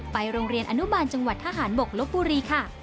โรงเรียนอนุบาลจังหวัดทหารบกลบบุรีค่ะ